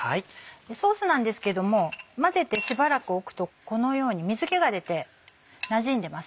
ソースなんですけども混ぜてしばらくおくとこのように水気が出てなじんでます。